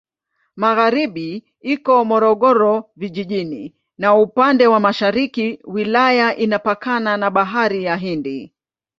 Magharibi iko Morogoro Vijijini na upande wa mashariki wilaya inapakana na Bahari ya Hindi.